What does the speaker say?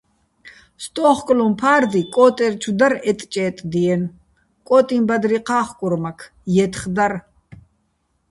სტო́ხკლუჼ ფა́რდი კო́ტერჩვ დარ ეტჭე́ტდიენო̆, კო́ტიჼბადრი ჴა́ხკურ მაქ, ჲეთხ დარ.